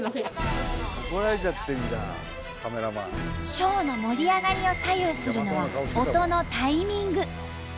ショーの盛り上がりを左右するのは音のタイミング。